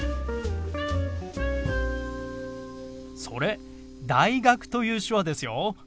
それ「大学」という手話ですよ。